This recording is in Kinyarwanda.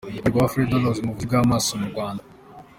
Uruhare rwa Fred Hollows mu buvuzi bw’amaso mu Rwanda.